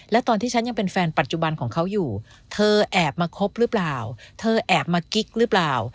แล้วตอนที่ฉันยังเป็นแฟนปัจจุบันของเขาอยู่เธอแอบมาคบหรือเปล่าเธอแอบมากิ๊กหรือเปล่า